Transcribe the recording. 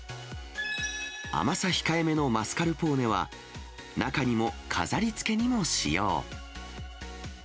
甘さ控えめのマスカルポーネは、中にも、飾りつけにも使用。